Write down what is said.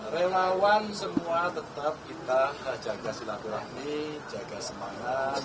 relawan semua tetap kita jaga silaturahmi jaga semangat